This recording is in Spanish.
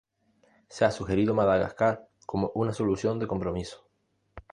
Se ha sugerido Madagascar como una solución de compromiso.